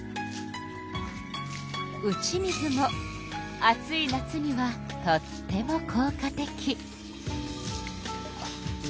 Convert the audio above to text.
打ち水も暑い夏にはとってもこう果的。